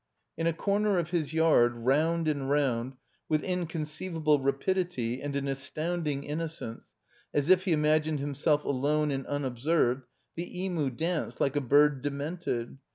In a comer of his yard, round and round, with in conceivable rapidity and an astoimding innocence, as if he imagined himself alone and unobserved, the Emu danced like a bird demented.